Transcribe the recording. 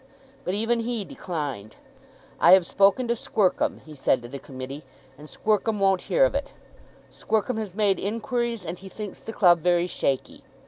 But even he declined. "I have spoken to Squercum," he said to the Committee, "and Squercum won't hear of it. Squercum has made inquiries and he thinks the club very shaky."